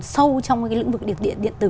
sâu trong lĩnh vực điện tử